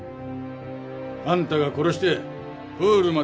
あんたが殺してプールまで運んだ。